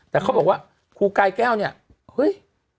แต่เขาบอกว่าครูกายแก้วเนี่ยเฮ้ย